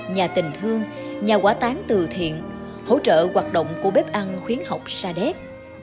nhà tình thương nhà quả tán từ thiện hỗ trợ hoạt động của bếp ăn khuyến học sa đéc